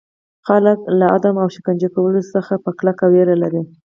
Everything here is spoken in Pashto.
خلک له اعدام او شکنجه کولو څخه په کلکه ویره لري.